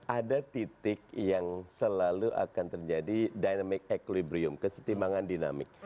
ada titik yang selalu akan terjadi dynamic equibrium kesetimbangan dinamik